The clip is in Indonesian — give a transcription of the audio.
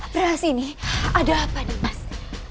berhasil ini ada apa nimas